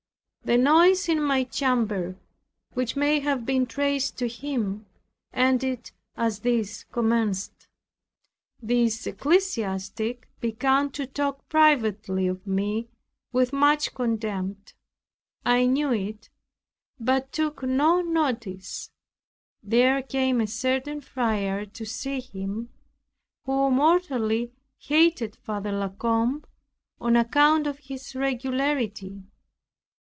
The noise in my chamber, which may have been traced to him, ended as these commenced. This ecclesiastic began to talk privately of me with much contempt. I knew it, but took no notice. There came a certain friar to see him, who mortally hated Father La Combe, on account of his regularity.